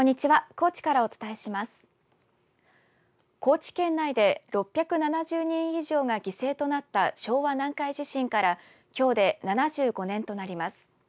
高知県内で６７０人以上が犠牲となった昭和南海地震からきょうで７５年となります。